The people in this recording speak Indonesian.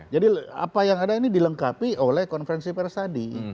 jadi apa yang ada ini dilengkapi oleh konferensi pers tadi